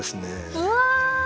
うわ！